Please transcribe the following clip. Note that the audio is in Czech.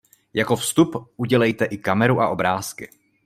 Jako vstup udělejte i kameru a obrázky.